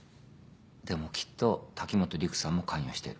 でもきっと滝本陸さんも関与している。